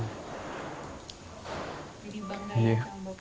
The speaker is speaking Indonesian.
jadi bangga dengan bapaknya ya